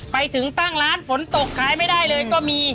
ไปถึงตั้งร้านฝนตกขายไม่ได้เลยก็มี